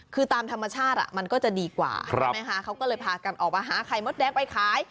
คือตามธรรมชาติมันก็จะดีกว่าใช่ไหมคะเขาก็เลยพากันออกมาหาไข่มดแดงไปขาย